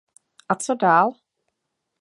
A co dál?